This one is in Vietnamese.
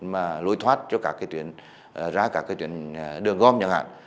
mà lối thoát cho các cái tuyển ra các cái tuyển đường gom chẳng hạn